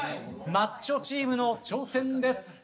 マッチョチームの挑戦です。